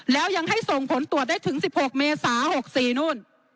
แล้วยังให้ส่งผลตรวจได้ถึง๑๖เมษา๖๔นู่น